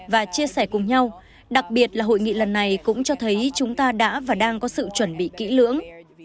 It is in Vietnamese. và chia sẻ cùng nhau đặc biệt là hội nghị lần này cũng cho thấy chúng ta đã và đang có sự chuẩn bị kỹ lưỡng